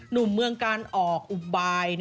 หนุ่มเมืองการออกอุบาย